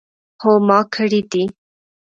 هو ما کړی دی